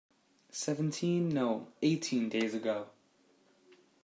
Seventeen, no, eighteen days ago.